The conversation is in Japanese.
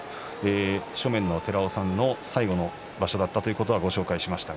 正面の寺尾さんの最後の場所だったということはご紹介しました。